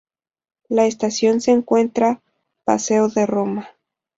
La estación se encuentra paseo de Roma.